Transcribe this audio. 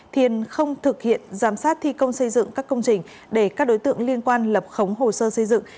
thiền không thực hiện giám sát thi công xây dựng các công trình để các đối tượng liên quan lập khống hồ sơ xây dựng